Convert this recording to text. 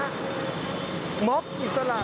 คุณผู้ชมพี่พ่อนะครับ